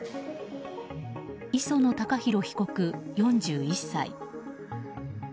磯野貴博被告、４１歳。